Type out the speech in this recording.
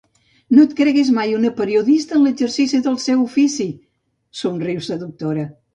No et creguis mai una periodista en l'exercici del seu ofici! —somriu, seductora—.